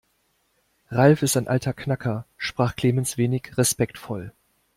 Ralf ist ein alter Knacker, sprach Clemens wenig respektvoll.